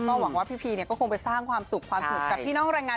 ก็หวังว่าพี่พีก็คงไปสร้างความสุขความสุขกับพี่น้องแรงงาน